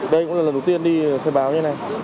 đây cũng là lần đầu tiên đi khai báo như thế này